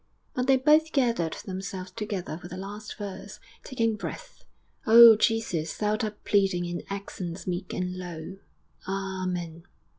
But they both gathered themselves together for the last verse, taking breath. O Jesus, thou art pleading In accents meek and low.... A A men!